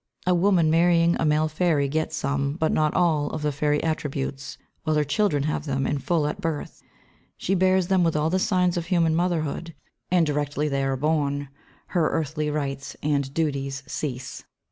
A woman marrying a male fairy gets some, but not all, of the fairy attributes, while her children have them in full at birth. She bears them with all the signs of human motherhood, and directly they are born her earthly rights and duties cease.